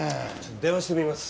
電話してみます。